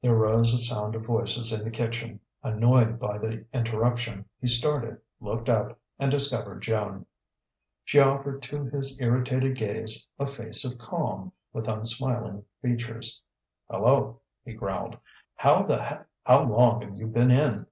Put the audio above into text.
There rose a sound of voices in the kitchen. Annoyed by the interruption, he started, looked up, and discovered Joan. She offered to his irritated gaze a face of calm, with unsmiling features. "Hello!" he growled. "How the h how long've you been in?"